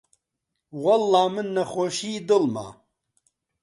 وەڵڵا من نەخۆشیی دڵمە